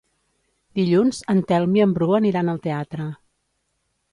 Dilluns en Telm i en Bru aniran al teatre.